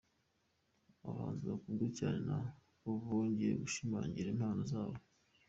Abahanzi bakunzwe cyane na bo bongeye gushimangira impano zabo.